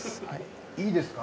いいですか？